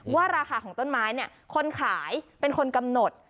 ว่าราคาของต้นไม้เนี่ยคนขายเป็นคนกำหนด